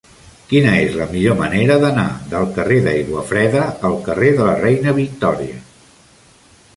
Quina és la millor manera d'anar del carrer d'Aiguafreda al carrer de la Reina Victòria?